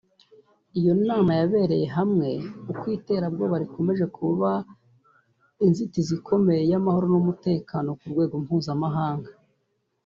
Iyo nama yarebeye hamwe uko iterabwoba rikomeje kuba inzitizi ikomeye ku mahoro n’umutekano ku rwego mpuzamahanga